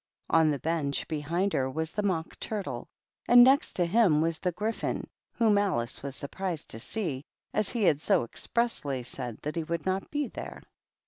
On the bench behind her was the Mock Turtle, and next to him was the Gryphon, whom Alice was surprised to see, as he had so expressly said that he would not be there.